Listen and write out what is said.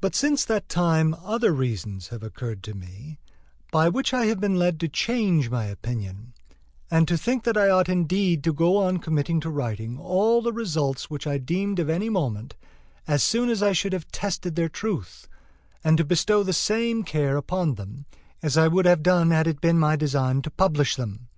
But since that time other reasons have occurred to me, by which I have been led to change my opinion, and to think that I ought indeed to go on committing to writing all the results which I deemed of any moment, as soon as I should have tested their truth, and to bestow the same care upon them as I would have done had it been my design to publish them.